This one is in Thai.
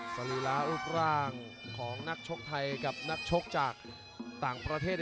สรีระรูปร่างของนักชกไทยกับนักชกจากต่างประเทศ